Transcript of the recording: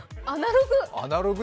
アナログ！